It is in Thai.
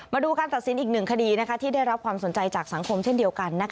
มาดูการตัดสินอีกหนึ่งคดีที่ได้รับความสนใจจากสังคมเช่นเดียวกัน